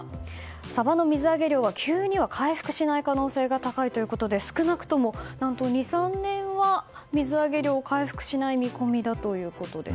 サバの水揚げ量は急には回復しない可能性があるということで少なくとも２３年は水揚げ量が回復しない見込みだということです。